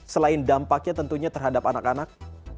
selain dampaknya tentunya terhadap anak anak